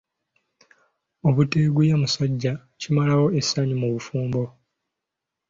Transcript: Obuteeguya musajja kimalawo essanyu mu bufumbo.